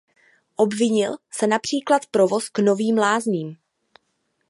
Obnovil se například provoz k Novým lázním.